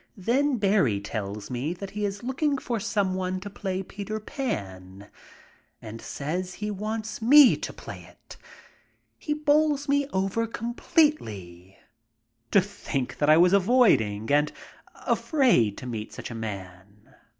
Then Barrie tells me that he is looking for some one to play Peter Pan and says he wants me to play it. He bowls me over completely. To think that I was avoiding and afraid to meet such a man!